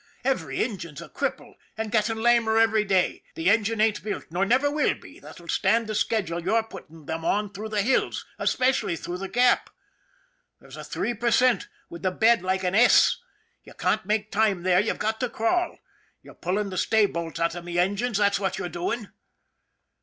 Every engine's a cripple, and getting lamer every day. The engine ain't built, nor never will be, that'll stand the schedule you're putting them on through the hills, especially through the Gap. That's a three per cent, with the bed like an S. You can't make time there; you've got to crawl. You're pulling the stay bolts out of my engines, that's what you're doing."